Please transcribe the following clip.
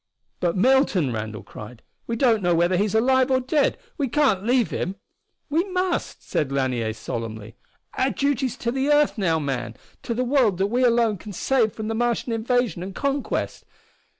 "But Milton?" Randall cried. "We don't know whether he's alive or dead! We can't leave him!" "We must!" said Lanier solemnly. "Our duty's to the earth now, man, to the world that we alone can save from the Martian invasion and conquest!